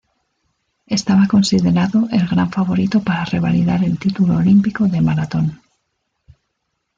Estaba considerado el gran favorito para revalidar el título olímpico de maratón.